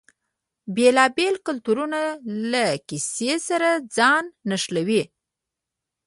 بیلابیل کلتورونه له کیسې سره ځان نښلوي.